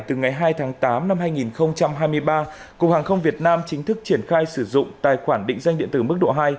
từ ngày hai tháng tám năm hai nghìn hai mươi ba cục hàng không việt nam chính thức triển khai sử dụng tài khoản định danh điện tử mức độ hai